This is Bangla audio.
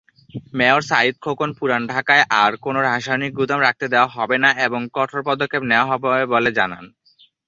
মেয়র সাঈদ খোকন পুরান ঢাকায় আর কোনো রাসায়নিক গুদাম রাখতে দেয়া হবে না এবং কঠোর পদক্ষেপ নেয়া হবে বলে জানান।